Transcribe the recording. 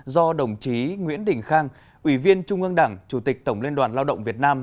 do đồng chí nguyễn đình khang ủy viên trung ương đảng chủ tịch tổng liên đoàn lao động việt nam